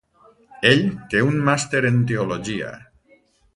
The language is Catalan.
Ell té un Màster en Teologia.